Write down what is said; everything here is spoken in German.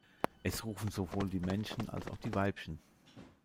Es rufen sowohl die Männchen als auch die Weibchen.